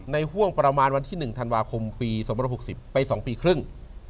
ห่วงประมาณวันที่๑ธันวาคมปี๒๖๐ไป๒ปีครึ่ง